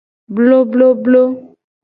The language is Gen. Blobloblo.